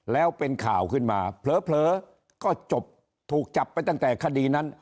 แล้วเป็นข่าวขึ้นมาเผลอก็จบถูกจับไปตั้งแต่คดีนั้น